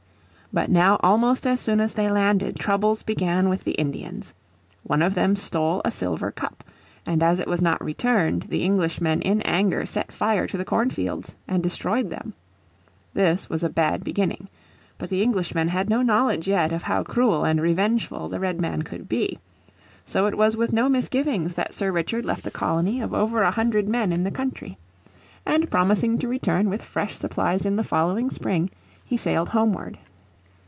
But now almost as soon as they landed troubles began with the Indians. One of them stole a silver cup, and as it was not returned the Englishmen in anger set fire to the corn fields and destroyed them. This was a bad beginning. But the Englishmen had no knowledge yet of how cruel and revengeful the Redman could be. So it was with no misgivings that Sir Richard left a colony of over a hundred men in the country. And promising to return with fresh supplies in the following spring he sailed homeward.